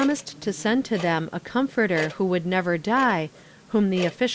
ised to send to the , a Comforter who wonld never die, who,„ the offi o.